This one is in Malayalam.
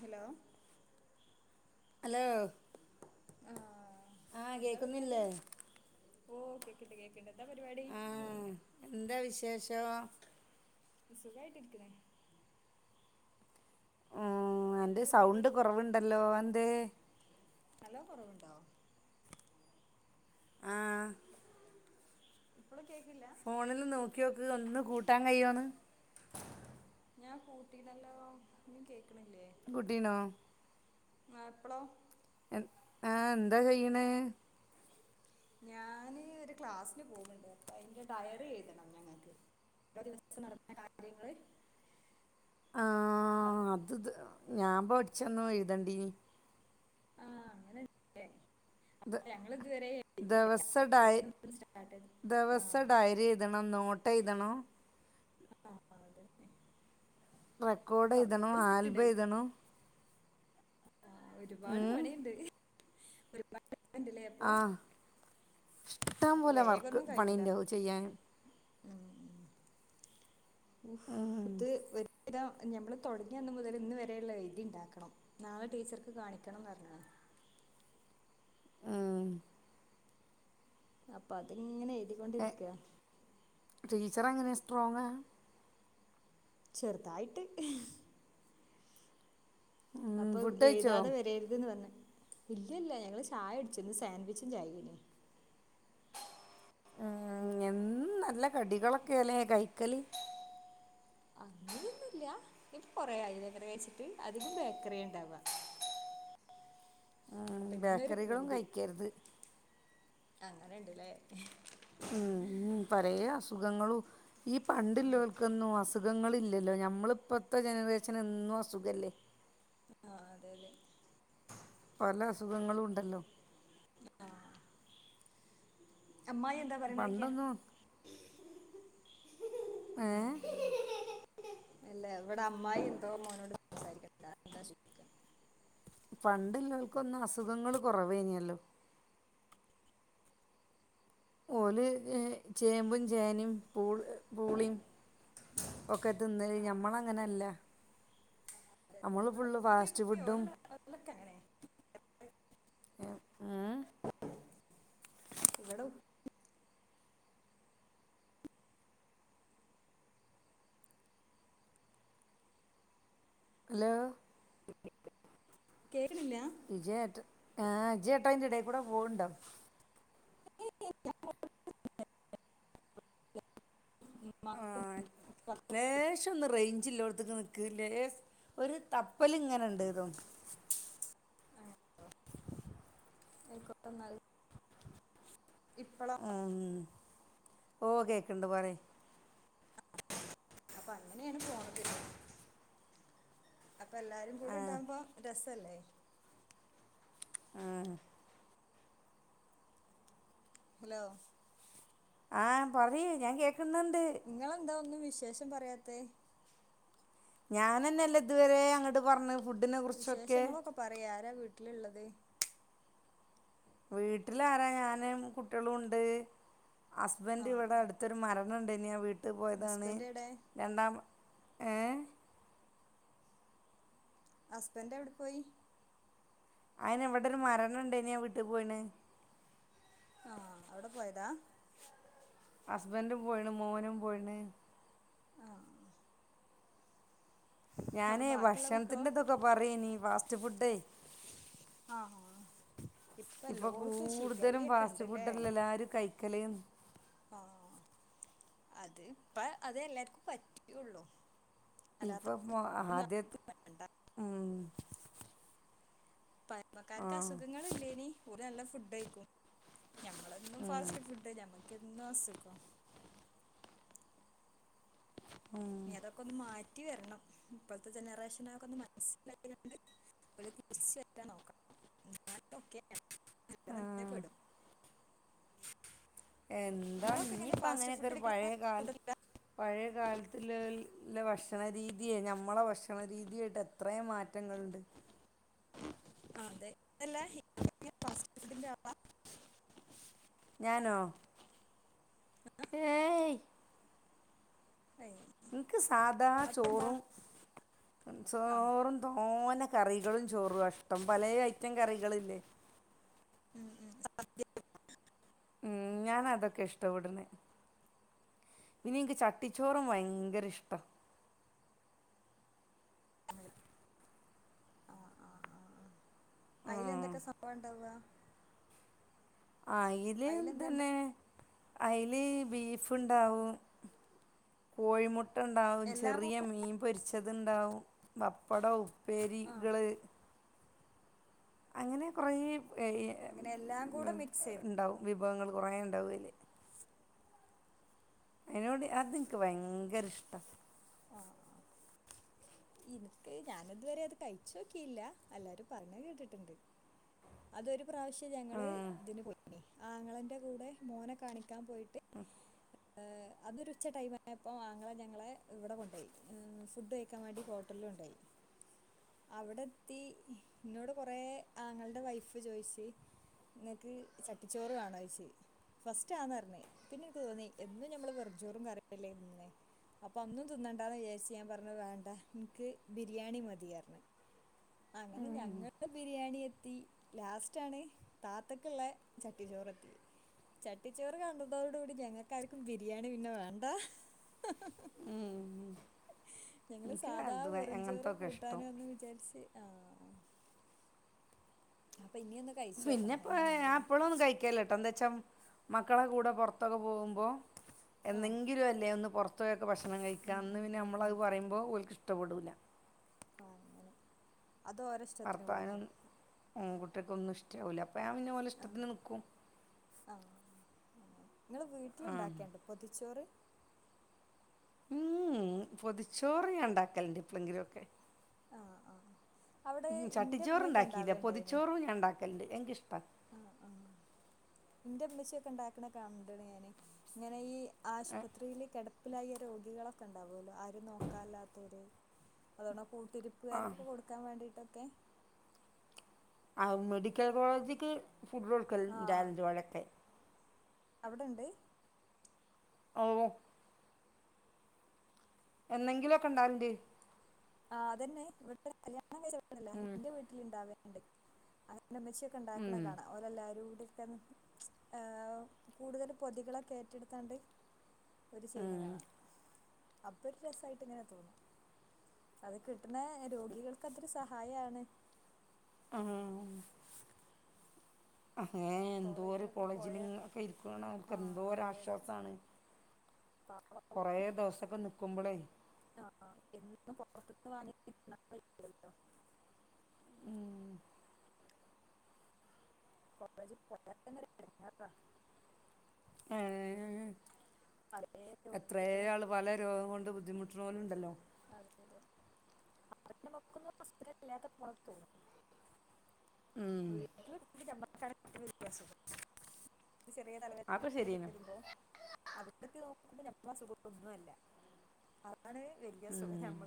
ഹലോ ഹലോ ആഹ ആഹ് കേക്കുന്നില്ലേ ഓ കേക്കിണ്ട് കേക്കിണ്ട് എന്താ പരിപാടി ആ എന്താ [unintelligible] സുഖായിട്ടിരിക്ക്‌ണ് ഉ അന്റെ പരിപാടി സൗണ്ട് കുറവുണ്ടല്ലോ എന്തേ നല്ലോ കൊറവുണ്ടോ ആ ഇപ്പള കേ ഫോണില് നോക്ക്യോക്ക് ഒന്ന് കൂട്ടാൻ കയ്യോന്ന് ഞാൻ കൂട്ടീനല്ലോ ഒന്നും കേക്കണില്ലേ ക്കൂട്ടിനോ ആ ഇപ്പളോ എ ആ എന്താ കയ്യ്ണ് ഞാന് ഒരു ക്ലാസ്സിന് പോണ് ണ്ട് അപ്പ അയ്ന്റെ ഡയറി എഴുതണം ഞങ്ങക്ക് എല്ലാ ദിവസ്തീ നടക്ക്‌ണ കാര്യങ്ങള് ആ അപ് അത് ത് ഞാൻ പഠിച്ചന്നു എഴുതണ്ടിന് ആ അങ്ങനെണ് ലേ ഞങ്ങളിത് വരെ ദവസ ഡായി ചെയ്ത് ദിവസ ആഹ് ഡയറിഴുതണം നോട്ട് എഴുതണോ അ ആ അവടെന്നെ റെക്കോർഡ് എഴുതണം ഉണ്ട് ആൽബെഴുതണം ആ ഒരുപാട് പണിണ്ട് ആ ഇഷ്ടം അപ്പൊ പോലെ വർക്ക് വേഗമൊന്നും കഴിയൂല പണിണ്ട് ചെയ്യാന് ഉം ഉഫ്ത് ഒരു രം ഞമ്മള് തുടങ്ങിയ അന്ന് മുതല്ന്ന് വരെയുള്ള എഴുതിണ്ടാക്കണം നാളെ ടീച്ചർക്ക് കാണിക്കണംന്ന് പറഞ്ഞാണ് [inaudible] ആ അപ്പൊ അതിങ്ങനെ എഴുതി കൊണ്ടിരിക്ക ടീച്ചറെങ്ങനെ സ്ട്രോങ്ങാ ചെറുതായിട്ട് ഉം അപ്പൊ ഫുഡഴിച്ചോ എഴുതാതെ വരരുത് ന്ന് പറഞ്ഞ് ഇല്ലില്ല ഞങ്ങള് ചായുടിച്ചിന്ന് സാൻഡവിച്ചും ചായീന് ഉം എന്നും നല്ല കടികളൊക്കെലേ കൈക്കല് അത് ന്നുല്ല ഇപ്പ കൊറേ ആയിലെ ങ്ങനെ കയ്ച്ചിട്ട് അധികം ബേക്കറിയണ്ടാവ ഉം അപ്പൊ ഇന്നൊരു ബേക്കറികളും പൂതി കഴിക്കരുത് അങ്ങനെണ്ട്ലേ മ്മ് മ്മ് പലേ അസുഖങ്ങളും ഈ പണ്ടില്ലോൽക്കൊന്നും അസുഖങ്ങളില്ലല്ലോ ഞമ്മളിപ്പോത്തെ ജനറേഷനെന്നും അസുഖല്ലേ ആ അതേലേ പല അസുഖങ്ങളുണ്ടല്ലോ ആ അമ്മായി എന്താ പറയണോക്ക്യ പണ്ടൊന്നും ഏ എല്ല വിടെ അമ്മായി എന്തോ മോനോട് സംസാരിക്കണ്ട എന്താ പണ്ടുള്ളോൽക്കൊന്നും അസുഖങ്ങള് കുറവേനല്ലോ ഓല് ചേമ്പും ചേനിം പൂ പൂളീം ഒക്കെ തിന്നല് ആ, ഞമ്മളങ്ങനല്ല അമ്മള് ഫുള്ള് ഇപ്പൊ ഈ ഫാസ്റ്റ് പുതിയ ഫുഡും ഓരോ- ഓരോക്കെ അങ്ങനെ എ ഏ ഇവിടെ ഹലോ കേക്ക്‌ണില്ലേ ഇജയെട്ട് ആ ഇജയേട്ട അയ്ന്റെടേ കൂടെ പോണ് ണ്ടോ ആഹ ലേശം ഒന്ന് റേഞ്ച് ചില്ലോടത്തക്ക് നിക്കല്ലേ ഒരു തപ്പല ഇങ്ങനെുണ്ട് ഇതോ ആയിക്കോട്ട ന ഇപ്പളാ ഉം. ഓ കേക്കണ്ട് പോറെേ അപ്പൊ അങ്ങനെയാണ് പോണത്തി അപ്പ എല്ലാരും കൂടെ ഇണ്ടാകുമ്പോ ര തലേ ഉഹ ഹലോ ആഹ പറയ ഞാൻ കേ നിങ്ങളെന്താ ഒന്നും വിശേഷം പറയാത്ത ഞാനെന്നെല്ല ഇതുവരെ അങ്ങോട്ട് പറഞ്ഞ ഫുഡിനെ കുറിച്ചൊക്കെ വിശേഷങ്ങളൊക്കെ പറയാ വീട്ടിലുള്ളത് വീട്ടില ആരാ ഞാനും കുട്ടികളും ഉണ്ട് ആ ഹസ്ബൻഡ് ഇവിടെ അടുത്തരു മര ഞൻ വീട്ടിൽ പോയതാണ് ഹസ്ബൻഡ് എവിടെ രണ്ടാ ഏ ഹസ്ബൻഡ് എവിടെ പോയി അയിന് എവിടെ ഒരു മരണം ഇണ്ടേനയാാ വീട്ടിൽ പോയിണ് ആഹ അവിടെ പോയതാ ഹസ്ബൻറും പോയിണ് മോനും പോയിണ് ആഹ ഞാനേ ബാക്കിയുള്ള മക്കളോ ഭക്ഷണത്തിന്റെതൊക്കെ പറയ നീ ഫാസ്റ്റ് ഫുഡേ ആഹ ഇപ്പൊ കൂടുതലും ഫാസ്റ്റ് ഉണ്ട്ല്ലേ ഫുഡ്ല്ല എല്ലാരും കൈക്കലയും ആഹ അത് ഇപ്പ അത് എല്ലാർക്കും പറ്റുള്ളു ഇപ്പൊ ആദ്യ വേണ്ട ഉ നമ്മക്കാർക്ക് അസുഖങ്ങൾ ഇല്ലേനി ഒരു നല്ല ഫുഡ് ആയിക്കും ഞമ്മളൊന്നും ഉം ഫാസ്റ്റ് ഫുഡ്മ്മക്ക് കന്ന സകാം തൊക്കെ ഒന്ന് മാ കറ്റി വരണം ഇപ്പോഴത്തെ ജനറേഷനൊക്കെ ഒന്ന് മനസ്സിലായണ്ട് അ തീർച്ചയായിട്ടാ നോക്കാം [unintelligible] ആ പെടും എന്താ നിങ്ങളൊക്കെ ഇനി എങ്ങനെ ഇപ്പം ഫാസ്റ്റ് അങ്ങനെയൊക്കെ ഒരു ഫുഡ് പഴയകാലം കഴിക്കണ പഴയകാലത്തി ഇല്ല ഭക്ഷണരീതിയേ ഞമ്മളെ ഭക്ഷണരീതിയായിട്ട് എത്രയും മാറ്റങ്ങൾുണ്ട് അതെതല്ല [unintelligible] ഞാനോ ഏ ഏയ്, നിക്ക് സാധാ അതെന്താ ചോറും ആ ചോറും തോനെ കറികളും ചോറും അഷ്ടം പല ആയി ചറ്റും കറികളില്ലേ ഉം ഉം അ ഉം ഞാൻ അതൊക്കെ ഇഷ്ടപ്പെടണെ ഇനി എനിക്ക് ചട്ടിച്ചോറും ഭയങ്കര ഇഷ്ട ആ അയിൽ എന്തൊക്കെ സംഭവ ണ്ടാവ ആ ഇല് അതിലെന്താ ഉണ്ടാ- തന്നെണ് അതിൽ ബീഫ്ണ്ടാവും കോഴിമു ഇട്ട ഉണ്ടാവും എല്ലാം ചെറിയ കൂടെ മീൻ പൊരിച്ചത്ണ്ടാവും പ ആ പടൗപ്പേരികള് അങ്ങനെ കൊറേ അങ്ങനെ എല്ലാം കൂടെ [unintelligible] മിക്സ് ചെയ്ത് ഉണ്ടാവും വിഭവങ്ങൾ കുറെേ ഉണ്ടാവയ്ൽ ഐനോട് അതെനിക്ക് ഭയങ്കര ഇഷ്ട എനിക്ക് ഞാാന ഇതുവരെ അത് കഴിചോക്കില്ല എല്ലാരും പറഞ്ഞ കേട്ടിട്ടുണ്ട് അതൊരു പ്രാവശ്യം ഞങ്ങള് ഇതിന് പോ ആങ്ങളന്റെ കൂടെ മോനെ കാണിക്കാൻ പോയിട്ട് ഉം ആഹ്‌ അതൊരു ഉച്ച ടൈം ആയപ്പോ ആങ്ങളെ ഞങ്ങളെ ഇവിടെ കൊണ്ട പോയി ഫുഡ് കഴിക്കാൻ വേണ്ടി ഹോട്ടലോണ്ടോയി അവടെ എത്തി ന്നോട് കൊറെ ആങ്ങൾടെ വൈഫ് ചോയിച്ച് നിങ്ങക്ക് ചട്ടിച്ചോറ് വേണോ ചോയ്ച്ച് ഫസ്റ്റ് അതാർന്നേ പിന്നെ എനിക്ക് തോന്നി എന്നും ഞമ്മള് വെറും ചോറും കറിയല്ലേ തിന്ന്ണെ അപ്പൊ അന്നും തിന്നണ്ടന്ന് വെച്ച് ഞാൻ പറഞ്ഞു വേണ്ട എനിക്ക് ബിരിയാണി മതിയാരുന്നു അങ്ങനെ ഇഷ്ടമാണ് ഞങ്ങക്ക് - ബിരിയാണി എത്തി ലാസ്റ്റ് ആണ് താത്തക്കുള്ള ചട്ടി ചോറ് എത്തിയത് ചട്ടിച്ചോറ് കണ്ടതോടുകൂടി ഞങ്ങക്കായിരിക്കും ബിരിയാണി പിന്നെ വേണ്ട ഹഹഹ ഉ [inaudible] സാധാ വെറുംചോറും കൂട്ടാനും ആന് വിചാരിച്ച് ആഹ പിന്നെ പ്പ ഞാൻ എങ്ങനെയുണ്ടെന്ന് എപ്പളും ഒന്നും കഴിക്കല്ല കേട്ടോ എന്താ വെച്ചാ- മക്കളെ കൂടെ പൊറത്തൊക്കെ പോകുമ്പോ ആ എന്നെങ്കിലും അല്ലേ ഒന്ന് പൊറത്ത് പോയിയൊക്കെ ഭക്ഷണം കഴിക്ക ഉം അന്ന് ഉം പിന്നെ ഉം ഉം നമ്മളത് പറയുമ്പോ ഓല്ക് ഇഷ്ട്ടപ്പെടൂല ആ അങ്ങനെ അത് ഓരോ ഇഷ്ടത്തിന് ഭർത്താവിനും കൊടുക്കും ഉം കുട്ടികക്കോന്നും ഇഷ് യൂല അപ്പൊ ഞാൻ പിന്നെ ഓലെ ആ ഇഷ്ടത്തിന് നിക്കും നിങ്ങള് വീട്ടിലുണ്ടാക്കാണ്ട് പൊതിച്ചോറ് ഉം പൊതിച്ചോർ ഞാൻ ഇണ്ടാക്കലണ്ട് എപ്പലെങ്കിലും ഒക്കെ ആ ആ അവിടെ ഉം എൻ്റെ ചട്ടിച്ചോറ് ഉമ്മയൊക്കെ ഉണ്ടാക്കിയില്ല ഉണ്ടാവേണ്ടേനി പൊതിച്ചോറു ഞാൻ ഉണ്ടാക്കലുണ്ട് എനിക്ക് ഇഷ്‌ - ഇന്റെ ഉമ്മച്ചയൊക്കെ ഉണ്ടാക്കണ കാണനുണ്ട് ഞാന് ഇങ്ങനെ ഈ ആശുപത്രില് കെട- കെടപ്പിലായ രോഗികളൊക്കെ ഉണ്ടാവല്ലോ ആരും നോക്കാനി ല്ലാത്തവര് അതോണം - ആ കൂട്ടിരിപ്പുകാർക്ക്‌ ഒക്കെ കൊടുക്കാൻ വേണ്ടിട്ടൊക്കെ ആ മെഡിക്കൽ കോളേജിക്ക് ഫുഡ്‌ കൊടുക്കൽ ആ ഇണ്ടായിരുന്നു ഇത്‌ പോലെ ഒക്കെ അവിടെ ഒണ്ട് [unintelligible] എന്നെങ്കിലും ഒക്കെ ഇണ്ടാലിണ്ട് ആ അതന്നെ ഇവിടെത്തെ കല്യാണം കില്ല ഉം ഇന്റെ വീട്ടിൽ ഇണ്ടാവണ്ട് എന്റെ അമ്മച്ചിയൊക്കെ ഉണ്ടാക്കണേ ഉം കാണാം ഓരെല്ലാരും [unintelligible] ഏ കൂടുതൽ പൊതികളൊക്കെ ഏറ്റെടുത്താണ്ട് ഓരു ചെയ്യുന്ന ഉം കാണാം അപ്പൊ ഒരു രസായിട്ട് ഇങ്ങനെ തോന്നും അത് കിട്ടണ രോഗികൾക്ക് അതൊരു സഹായാണ് ആഹ് ഏഹ് എന്തോ കോളേജിലൊക്കെ പോയ കോളേജില് ഒക്കെ ഇരിക്കാണ് അവർക്ക് എന്തോ ആശ്വാസമാണ് ആഹ് കൊറേ ദിവസൊക്കെ നിക്കുമ്പോളേ ആ എന്നും പൊറത്ത്ന്ന് വാങ്ങി കഴിക്കില്ലല്ലോ കോളേജിൽ [unintelligible] ഏഹ് പല എത്രയോ രോഗികളും ആള് പല രോഗം കൊണ്ട് ബുദ്ധിമുട്ടണ പോലും ഉണ്ടല്ലോ അവക്കന്നും വസ്ത്രലാത പുറത്ത് ഉം [inaudible] സ [unintelligible] ചെറിയ തലവേദന അതൊക്കെ അങ്ങനേക്ക ശരിയാണ് വരുമ്പോ അവിടക്ക് നോക്കുമ്പോ നമ്മൾ ആ സുഖംന്നുംല്ല അതാണ് വലിയ സുഖം ഉം നമ്മൾ